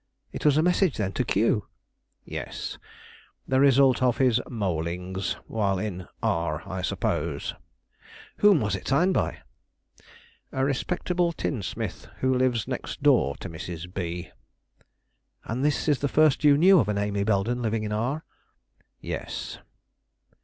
"It was a message, then, to Q?" "Yes, the result of his moleings while in R , I suppose." "Whom was it signed by?" "A respectable tinsmith who lives next door to Mrs. B." "And is this the first you knew of an Amy Belden living in R ?" "Yes."